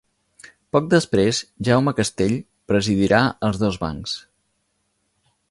Poc després Jaume Castell presidirà els dos bancs.